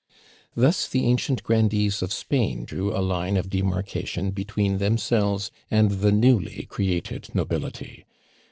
Thus the ancient grandees of Spain drew a line of demarcation between themselves and the newly created nobility.